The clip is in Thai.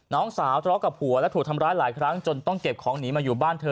น้องสาวทะเลาะกับผัวและถูกทำร้ายหลายครั้งจนต้องเก็บของหนีมาอยู่บ้านเธอ